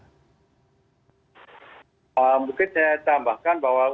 mungkin saya tambahkan bahwa